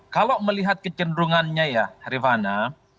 kalau melihat kecenderungannya ya rifana